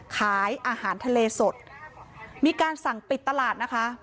ขายอาหารทะเลสดมีการสั่งปิดตลาดนะคะ